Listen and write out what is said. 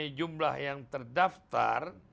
mempunyai jumlah yang terdaftar